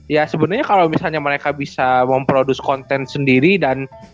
ya sebenarnya kalau misalnya mereka bisa memproduce konten sendiri dan